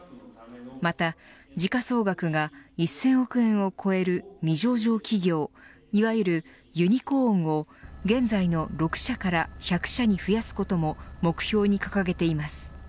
また時価総額が１０００億円を超える未上場企業いわゆるユニコーンを現在の６社から１００社に増やすことも目標に掲げています。